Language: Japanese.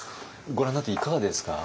ご覧になっていかがですか？